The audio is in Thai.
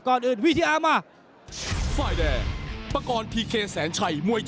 โหรุ่นน้องไม่กลัวรุ่นพี่ความมันบังเกิดแน่นอนนะปามนะ